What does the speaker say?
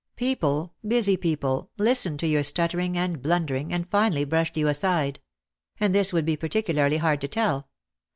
People, busy people, listened to your stut tering and blundering, and finally brushed you aside. And this would be particularly hard to tell.